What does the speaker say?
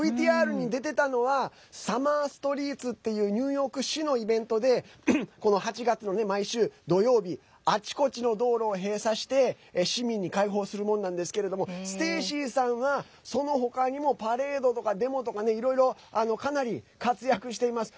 ＶＴＲに出てたのはＳｕｍｍｅｒＳｔｒｅｅｔｓっていうニューヨーク市のイベントで８月の毎週土曜日あちこちの道路を閉鎖して市民に開放するものなんですけれどもステイシーさんは、その他にもパレードとかデモとかねいろいろ、かなり活躍しています。